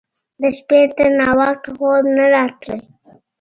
د شپې تر ناوخته خوب نه راته.